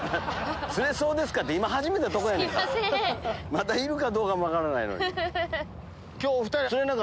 まだいるかどうかも分からないのに。